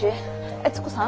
悦子さん？